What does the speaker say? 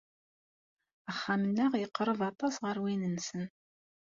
Axxam-nneɣ yeqreb aṭas ɣer win-nsen.